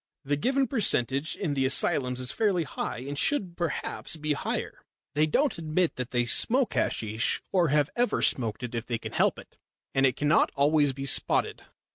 The given percentage in the asylums is fairly high, and should perhaps be higher. They don't admit that they smoke hasheesh or have ever smoked it if they can help it, and it cannot always be spotted."